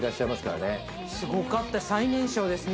すごかったです。